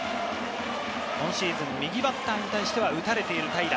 今シーズン、右バッターに対しては打たれている、平良。